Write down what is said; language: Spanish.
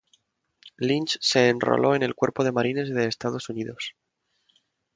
Lynch se enroló en el Cuerpo de Marines de Estados Unidos.